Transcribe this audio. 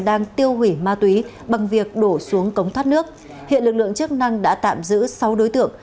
đang tiêu hủy ma túy bằng việc đổ xuống cống thoát nước hiện lực lượng chức năng đã tạm giữ sáu đối tượng